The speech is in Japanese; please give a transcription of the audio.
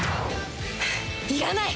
いらない！